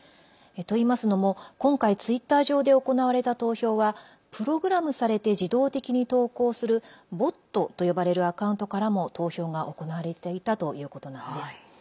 といいますのも、今回ツイッター上で行われた投票はプログラムされて自動的に投稿するボットと呼ばれるアカウントからも投票が行われていたということなんです。